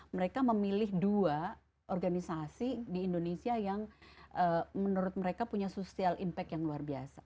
mereka memilih dua organisasi di indonesia yang menurut mereka punya social impact yang luar biasa